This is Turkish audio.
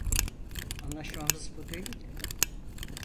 Anlaşmamız bu değildi.